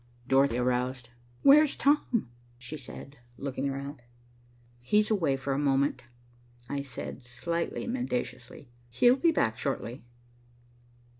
Dorothy aroused. "Where's Tom?" she said, looking around. "He's away for a moment," I said, slightly mendaciously. "He'll be back shortly."